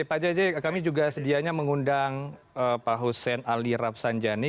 pak jj kami juga sedianya mengundang pak hussein ali rapsanjani